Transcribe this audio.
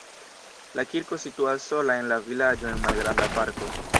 La kirko situas sola en la vilaĝo en malgranda parko.